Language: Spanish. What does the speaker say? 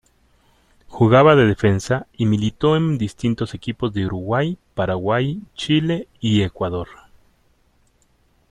Jugaba de defensa y militó en distintos equipos de Uruguay, Paraguay, Chile y Ecuador.